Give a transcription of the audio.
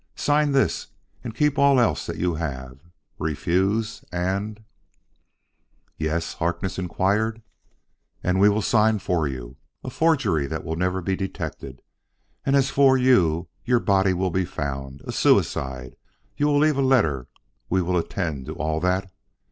Sign this, and keep all else that you have. Refuse, and " "Yes?" Harkness inquired. "And we will sign for you a forgery that will never be detected. And as for you, your body will be found a suicide! You will leave a letter: we will attend to all that.